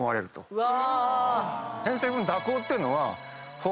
うわ！